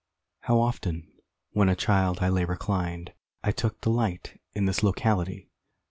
] How often, when a child I lay reclined, I took delight in this locality!